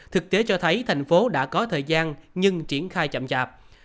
thực tế cho thấy thành phố đã có thời gian nhưng triển khai chậm chạp